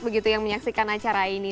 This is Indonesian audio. begitu yang menyaksikan acara ini